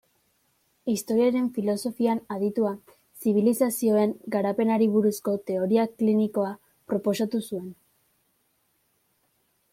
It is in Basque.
Historiaren filosofian aditua, zibilizazioen garapenari buruzko teoria klinikoa proposatu zuen.